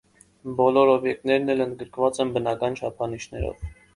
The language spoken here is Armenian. Բոլոր օբյեկտներն էլ ընդգրկված են բնական չափանիշներով։